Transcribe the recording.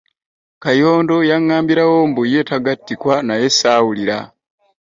Kayondo yaŋŋambirawo mbu ye tagattikwa naye ssaawulira.